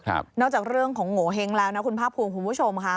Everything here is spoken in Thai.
นอกจากเรื่องของโงเห้งแล้วนะคุณภาคภูมิคุณผู้ชมค่ะ